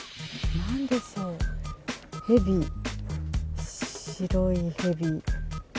何でしょう蛇白い蛇。